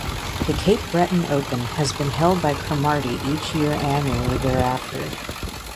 The Cape Breton Open has been held by Cromarty each year annually thereafter.